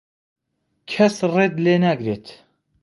کەس ڕێت لێ ناگرێت.